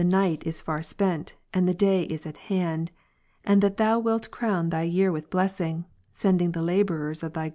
night is far spent, and the day is at hand : and that Thou wilt Pg' g^ —* crown Thy year with blessing, sending the labourers of Thy 11.